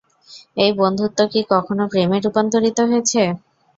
এই বন্ধুত্ব কি কখনও, প্রেমে রূপান্তরিত হয়েছে?